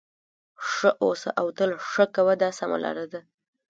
ښه اوسه او تل ښه کوه دا سمه لار ده.